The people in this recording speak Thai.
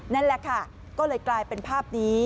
นั่นแหละค่ะก็เลยกลายเป็นภาพนี้